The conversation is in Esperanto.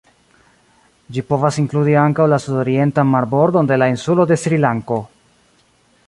Ĝi povas inkludi ankaŭ la sudorientan marbordon de la insulo de Srilanko.